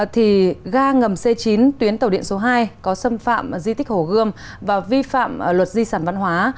thì ga ngầm c chín tuyến tàu điện số hai có xâm phạm di tích hồ gươm và vi phạm luật di sản văn hóa